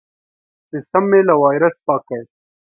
سیستم مې له وایرس پاک کړ.